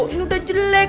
ini udah jelek